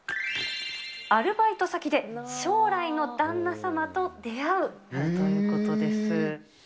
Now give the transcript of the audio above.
アルバイト先で、将来の旦那様と出会うということです。